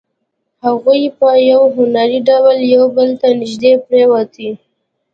هغوی په یو هنري ډول یو بل ته نږدې پرېوتې